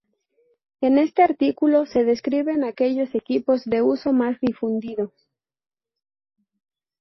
En este artículo se describen aquellos equipos de uso más difundido.